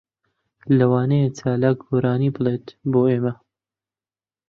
لەوانەیە چالاک گۆرانی بڵێت بۆ ئێمە.